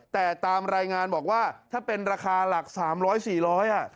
แต่ตามรายงานบอกว่าถ้าเป็นราคาหลักสามร้อยสี่ร้อยอ่ะ